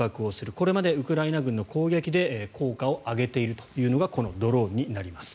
これまでウクライナ軍の攻撃で効果を上げているというのがこのドローンになります。